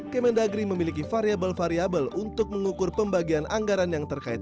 kemendagri memiliki variable variable untuk mengukur pembagian anggaran yang terkait